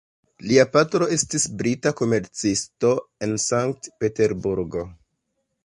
Lia patro estis brita komercisto en Sankt-Peterburgo.